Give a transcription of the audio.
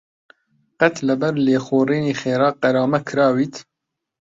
قەت لەبەر لێخوڕینی خێرا غەرامە کراویت؟